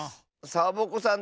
サボ子さん